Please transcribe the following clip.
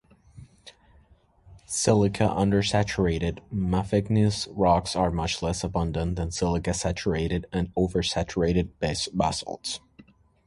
Silica-undersaturated, mafic igneous rocks are much less abundant than silica-saturated and oversaturated basalts.